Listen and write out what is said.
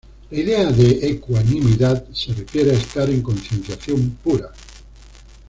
La idea de ecuanimidad se refiere a estar en concienciación pura.